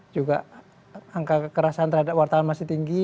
juga angka kekerasan terhadap wartawan masih tinggi